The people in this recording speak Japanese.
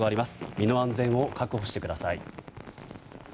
身の安全を確保してください。